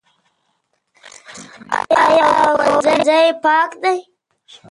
ایا ښوونځی پاک دی؟